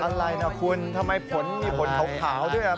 อะไรนะคุณทำไมผลมีผลขาวด้วย